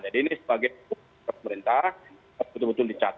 jadi ini sebagai tugas pemerintah harus betul betul dicatat